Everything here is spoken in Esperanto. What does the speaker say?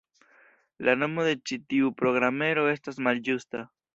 La nomo de ĉi tiu programero estas malĝusta.